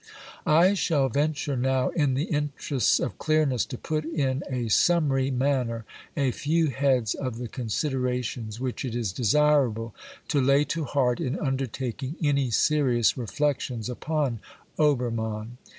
I shall venture now, in the interests of clearness, to put in a summary manner a few heads of the considerations which it is desirable to lay to heart in undertaking any serious reflections upon Obermann.